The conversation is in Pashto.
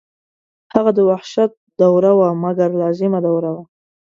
هغه د وحشت دوره وه مګر لازمه دوره وه.